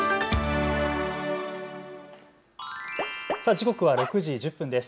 時刻は６時１０分です。